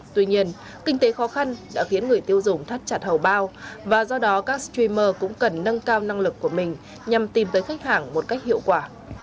tuy nhiên kinh tế khó khăn đã khiến người tiêu dùng thắt chặt hầu bao và do đó các streamer cũng cần nâng cao năng lực của mình nhằm tìm tới khách hàng một cách hiệu quả